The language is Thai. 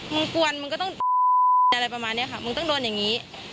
กวนมึงก็ต้องอะไรประมาณนี้ค่ะมึงต้องโดนอย่างนี้